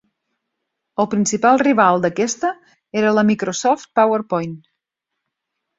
El principal rival d'aquesta era la Microsoft PowerPoint.